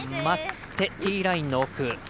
待って、ティーラインの奥。